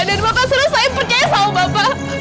dan bapak selalu saya percaya sama bapak